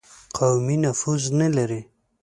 قومي نفوذ نه لري.